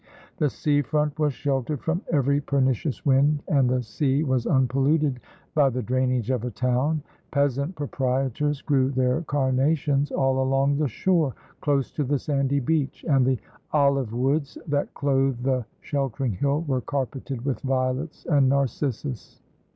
The sea front was sheltered from every pernicious wind, and the sea was unpolluted by the drainage of a town. Peasant proprietors grew their carnations all along the shore, close to the sandy beach, and the olive woods that clothed the sheltering hill were carpeted with violets and narcissus.